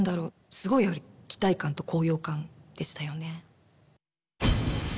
すごい期待感と高揚感でしたよね。